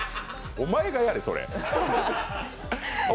お前がやれ、それ。